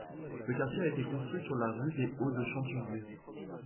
Ce quartier a été construit sur la rue des hauts de Chanturgue.